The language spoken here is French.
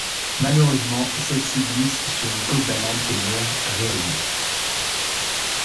Malheureusement, celle-ci glisse sur une peau de banane et meurt réellement.